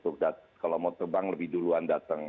untuk kalau mau terbang lebih duluan datang